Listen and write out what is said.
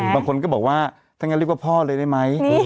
บางคนก็บอกว่าถ้างั้นเรียกว่าพ่อเลยได้ไหม